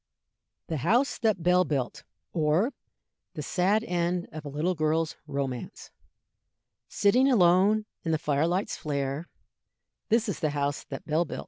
THE HOUSE THAT BELL BUILT; Or, the Sad End of a little Girl's Romance. Sitting alone in the fire light's flare, This is the house that Bell built.